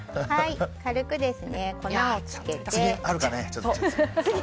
軽く粉をつけて。